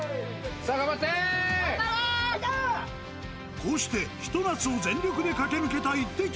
こうしてひと夏を全力で駆け抜けたイッテＱ！